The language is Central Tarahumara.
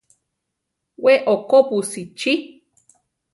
We okó busichí.